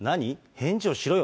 返事をしろよ。